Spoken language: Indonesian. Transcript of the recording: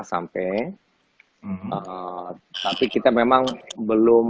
sampai tapi kita memang belum